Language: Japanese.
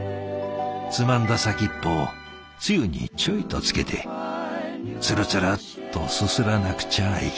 つまんだ先っぽをつゆにちょいとつけてつるつるっとすすらなくちゃいけねえ。